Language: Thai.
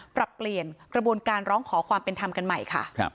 ปรับเปลี่ยนกระบวนการร้องขอความเป็นธรรมกันใหม่ค่ะ